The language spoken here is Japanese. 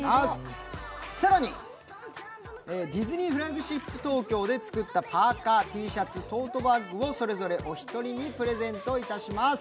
更にディズニーフラッグシップ東京で作ったパーカ、Ｔシャツ、トートバッグをそれぞれお一人にプレゼントいたします。